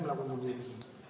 melakukan bunuh diri